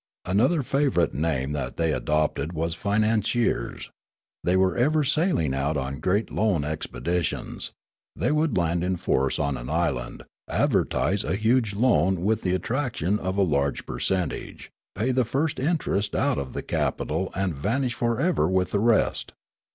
Another favourite name that they adopted was financiers ; they were ever sailing out on great loan expeditions ; they would land in force on an island, advertise a huge loan with the attraction of a large percentage, pay the first interest out of the capital and vanish forever with the rest.